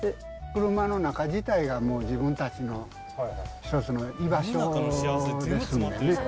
車の中自体がもう自分たちの一つの居場所ですのでね。